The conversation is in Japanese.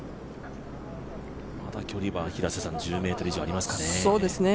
まだ距離は１０ｍ以上ありますかね。